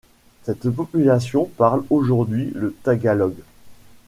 Cette population parle aujourd'hui le tagalog.